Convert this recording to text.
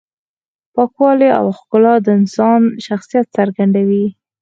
پاکوالی او ښکلا د انسان شخصیت څرګندوي.